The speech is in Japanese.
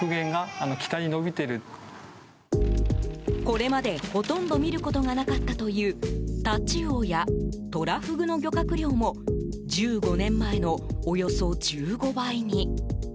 これまで、ほとんど見ることがなかったというタチウオやトラフグの漁獲量も１５年前のおよそ１５倍に。